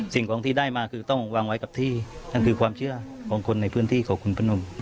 สิ่งของที่ได้มาคือต้องวางไว้กับที่นั่นคือความเชื่อของคนในพื้นที่ของคุณพนม